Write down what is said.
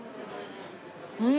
うん！